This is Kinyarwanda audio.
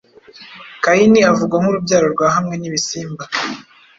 Kayini avugwa nkurubyaro rwa hamwe nibisimba